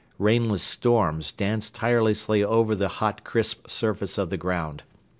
Rainless storms dance tirelessly over the hot, crisp surface of the ground.